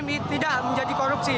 hmi tidak menjadi korupsi